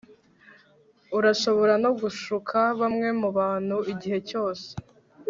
urashobora no gushuka bamwe mubantu igihe cyose